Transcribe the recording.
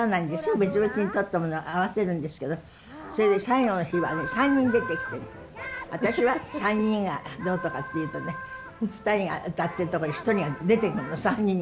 別々に撮ったものを合わせるんですけどそれで最後の日はね３人出てきて私は３人がどうとかって言うとね２人が歌ってるとこに１人が出てくるの３人に。